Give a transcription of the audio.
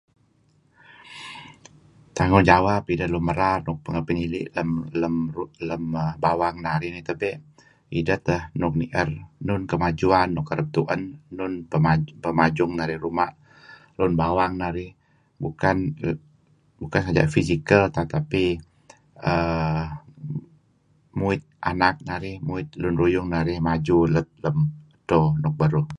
Tanggung jawap ideh lun merar nuk pengeh pinili' lem, lem, lem, lem bawang narih tebey', ideh teh nuk kereb ni'er enun kemajuan nuk kereb tu'en, nuk pemajung narih ruma' lun lem bawang narih buken saja fizikal tetapi err muit anak narih, muit lun ruyung narih maju lem edto nuk beruh.